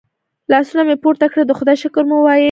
لاسونه مې پورته کړل د خدای شکر مو وایست.